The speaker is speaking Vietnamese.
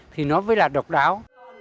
thì nó mới là độc đáo